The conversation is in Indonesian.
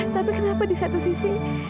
tapi kenapa di satu sisi